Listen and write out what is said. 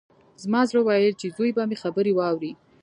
زما زړه ویل چې زوی به مې خبرې واوري